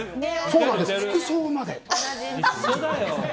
そうなんです、服装まで。